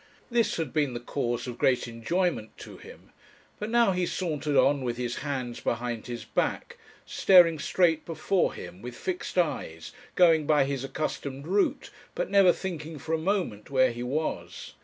This had been the cause of great enjoyment to him; but now he sauntered on with his hands behind his back, staring straight before him, with fixed eyes, going by his accustomed route, but never thinking for a moment where he was.